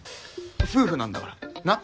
夫婦なんだからなっ？